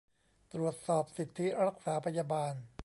ตรวจสอบสิทธิรักษาพยาบาล